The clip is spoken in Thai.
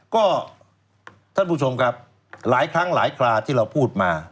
ก็ท่านผู้ชมครับหลายครั้งหลายคราที่เราพูดมา